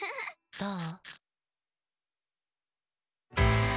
どう？